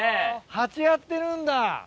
蜂やってるんだ！